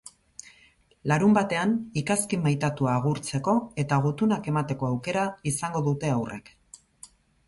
Larunbatean, ikazkin maitatua agurtzeko eta gutunak emateko aukera izango dute haurrek.